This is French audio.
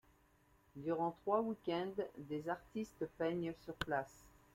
Durant trois week-ends, des artistes peignent sur place.